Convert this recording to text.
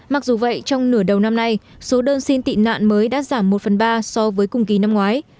mặc dù vậy trong nửa đầu năm nay số đơn xin tị nạn mới đã giảm một phần ba so với cùng kỳ năm ngoái